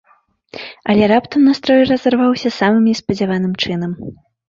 Але раптам настрой разарваўся самым неспадзяваным чынам.